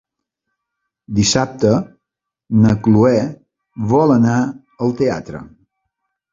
Dissabte na Cloè vol anar al teatre.